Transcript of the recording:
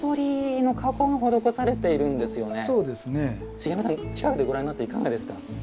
茂山さん近くでご覧になっていかがですか？